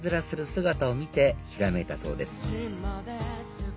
姿を見てひらめいたそうです